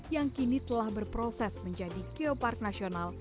yang kini telah berproses menjadi geopark nasional